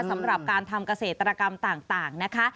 สำหรับการทำเกษตรกรรมต่างนะคะ